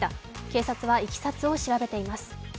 警察はいきさつを調べています。